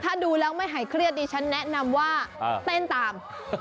ถ้าดูแล้วไม่หายเครียดดิฉันแนะนำว่าเต้นตาม